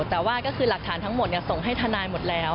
แต่ว่าก็คือหลักฐานทั้งหมดส่งให้ทนายหมดแล้ว